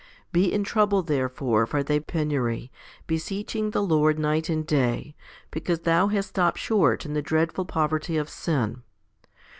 Be in trouble therefore for thy penury, beseeching the Lord night and day, because thou hast stopped short in the dreadful poverty of sin.